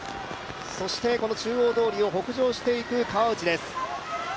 中央通りを北上していく川内です。